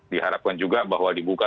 diharapkan juga bahwa dibuka